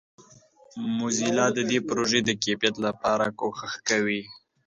موزیلا د دې پروژې د کیفیت لپاره کوښښ کوي.